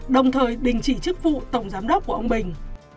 đồng thời đình chỉ chức vụ tổng giám đốc của ông bình